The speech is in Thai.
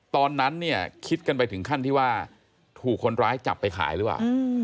ตอนนั้นเนี่ยคิดกันไปถึงขั้นที่ว่าถูกคนร้ายจับไปขายหรือเปล่า